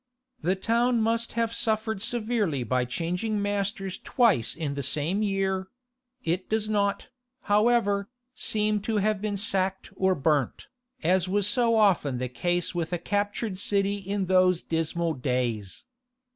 The town must have suffered severely by changing masters twice in the same year; it does not, however, seem to have been sacked or burnt, as was so often the case with a captured city in those dismal days.